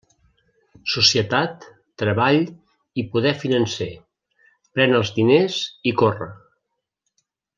Societat, treball i poder financer; Pren els diners i corre.